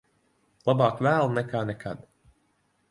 Labāk vēlu nekā nekad.